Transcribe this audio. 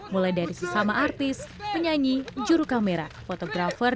mulai dari sesama artis penyanyi juru kamera fotografer